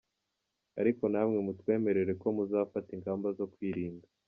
Ariko namwe mutwemerere ko muzafata ingamba zo kwirinda.